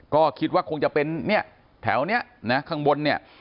ก็คิดว่าคงจะเป็นเนี่ยแถวนี้นะข้างบนเนี่ย